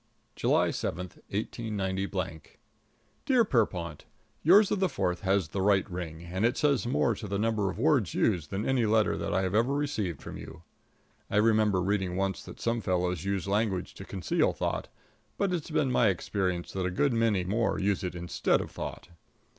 |++ V July 7, 189 Dear Pierrepont: Yours of the fourth has the right ring, and it says more to the number of words used than any letter that I have ever received from you. I remember reading once that some fellows use language to conceal thought; but it's been my experience that a good many more use it instead of thought.